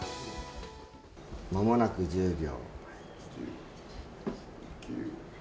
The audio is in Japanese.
まもなく１０秒。